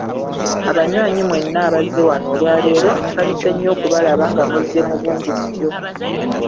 Abanywanyi mwenna abazze wano olwa leero, nsanyuse nnyo okulaba nga muzze mu bungi mutyo.